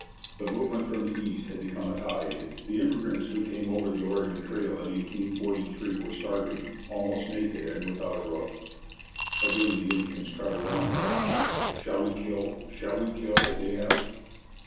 The movement from the east had become a tide. The immigrants who came over the Oregon Trail in 1843 were starving, almost naked, and without a roof. Again the Indians crowded about M'Loughlin. 'Shall we kill? Shall we kill?' they asked.